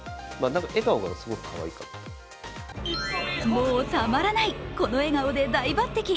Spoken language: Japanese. もうたまらない、この笑顔で大抜てき。